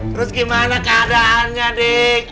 terus gimana keadaannya adik